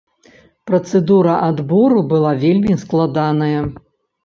Працэдура адбору была вельмі складаная.